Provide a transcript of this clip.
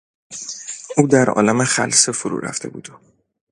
او در عالم خلسه فرورفته بود.